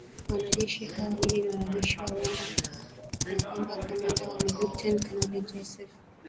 Wanajeshi hao wawili ni wanajeshi wa Rwanda na kwamba kamanda wao ni Luteni Kananli Joseph Rurindo na Jenerali Eugene Nkubito